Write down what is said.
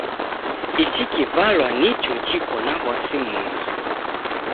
Ichi kivalwa nicho chiko na w'asi mungi.